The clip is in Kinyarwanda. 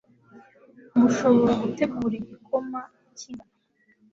Mushobora gutegura igikoma cyingano